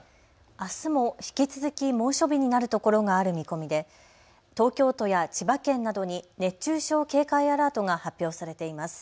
あすも引き続き猛暑日になる所がある見込みで東京都や千葉県などに熱中症警戒アラートが発表されています。